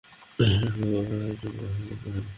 তাপ দিলে কঠিন পদার্থ এক সময় বাধ্য হয়ে তরলে পরিণত হয়।